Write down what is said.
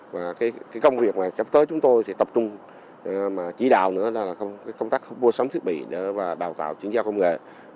cái công việc mà sắp tới chúng tôi sẽ tập trung chỉ đạo nữa là công tác mua sống thiết bị và bào tạo chuyển giao công nghệ